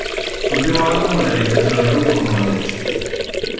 Fu il primo album realizzato dal gruppo con una major.